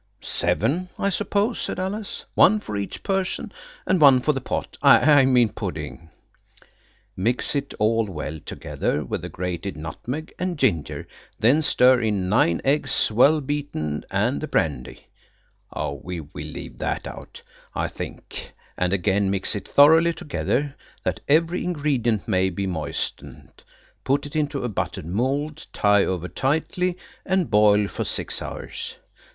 "Seven, I suppose," said Alice; "one for each person and one for the pot–I mean pudding." "'Mix it all well together with the grated nutmeg and ginger. Then stir in nine eggs well beaten, and the brandy'–we'll leave that out, I think–'and again mix it thoroughly together that every ingredient may be moistened; put it into a buttered mould, tie over tightly, and boil for six hours.